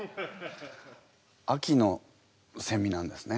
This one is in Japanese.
秋のせみなんですね。